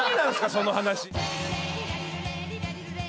その話。